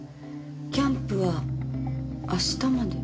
キャンプは明日まで。